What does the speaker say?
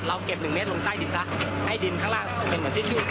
เก็บ๑เมตรลงใต้ดินซะให้ดินข้างล่างเป็นเหมือนที่ชื่อ